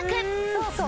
そうそう。